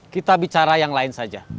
kita bicara yang lain saja